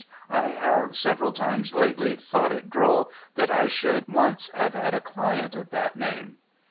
I have several times, lately, thought it droll that I should once have had a client of that name.'